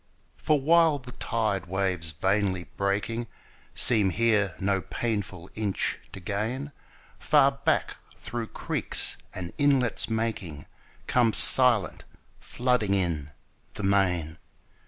For while the tired waves, vainly breaking, Seem here no painful inch to gain, 10 Far back, through creeks and inlets making, Comes silent, flooding in, the main.